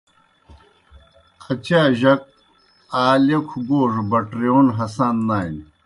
اچا جک آ لیکھوْ گوڙہْ بَٹرِیون ہسان نانیْ۔